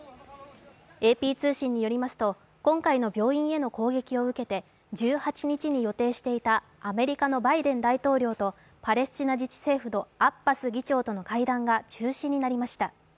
ＡＰ通信によりますと今回の病院への攻撃を受けて１８日に予定していたアメリカのバイデン大統領とパレスチナ自治政府のアッバス議長との会談が中止になりました。